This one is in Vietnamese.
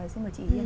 xin mời chị